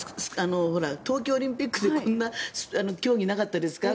冬季オリンピックでこんな競技がなかったですか？